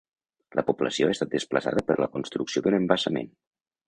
La població ha estat desplaçada per la construcció d'un embassament.